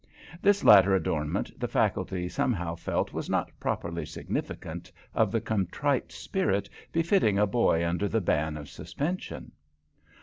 This latter adornment the faculty somehow felt was not properly significant of the contrite spirit befitting a boy under the ban of suspension.